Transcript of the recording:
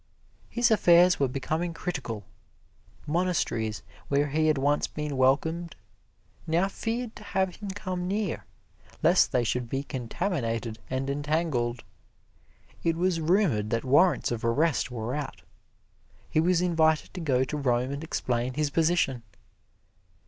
His affairs were becoming critical: monasteries where he had once been welcomed now feared to have him come near, lest they should be contaminated and entangled. It was rumored that warrants of arrest were out. He was invited to go to Rome and explain his position.